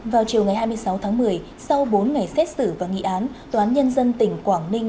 vào chiều ngày hai mươi sáu tháng một mươi sau bốn ngày xét xử và nghị án tòa án nhân dân tỉnh quảng ninh